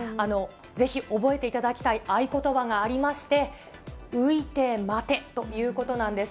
ぜひ覚えていただきたい合言葉がありまして、浮いて待てということなんです。